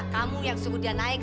kamu yang suruh dia naik